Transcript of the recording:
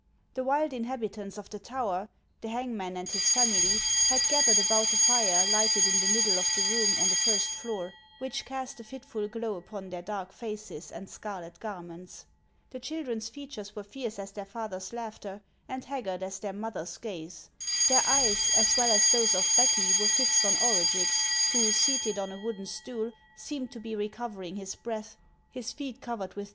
The wild inhabitants of the tower, the hangman and his family, had gathered about the fire lighted in the middle of the room on the first floor, which cast a fitful glow upon their dark faces and scarlet garments. The children's fea tures were fierce as their father's laughter and haggard as their mother's gaze. Their eyes, as well as those of Becky were fixed on Orugix, who, seated on a wooden stool, seemed to be recovering his breath, his feet covered with HANS OF ICELAND.